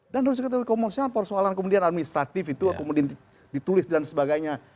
dan terus ke komersial persoalan kemudian administratif itu kemudian ditulis dan sebagainya